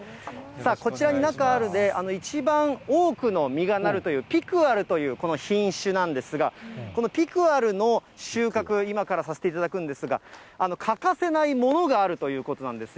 こちらに、中ある一番多くの実がなるというピクアルという品種なんですが、このピクアルの収穫、今からさせていただくんですが、欠かせないものがあるということなんです。